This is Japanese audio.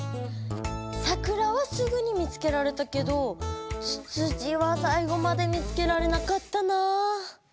「さくら」はすぐに見つけられたけど「つつじ」はさい後まで見つけられなかったな。